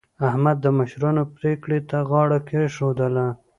احمد د مشرانو پرېکړې ته غاړه کېښودله.